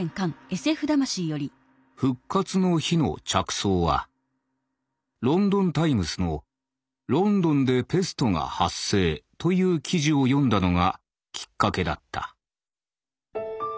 「『復活の日』の着想は『ロンドン・タイムス』の『ロンドンでペストが発生』という記事を読んだのがきっかけだった」。